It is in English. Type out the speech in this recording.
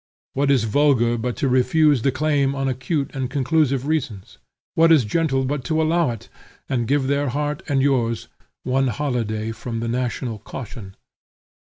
What is vulgar but to refuse the claim on acute and conclusive reasons? What is gentle, but to allow it, and give their heart and yours one holiday from the national caution?